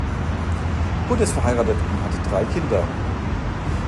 Good ist verheiratet und hat drei Kinder.